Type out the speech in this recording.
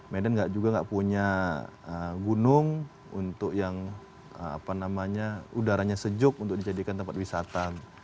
medan juga nggak punya gunung untuk yang udaranya sejuk untuk dijadikan tempat wisata